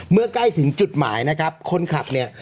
เมื่อใกล้ถึงจุดหมายนะครับคนขับเนี่ย